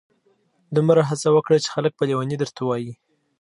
دومره هڅه وکړه چي خلک په لیوني درته ووایي.